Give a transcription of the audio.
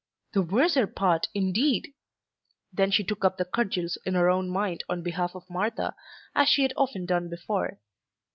The worser part, indeed! Then she took up the cudgels in her own mind on behalf of Martha, as she had often done before.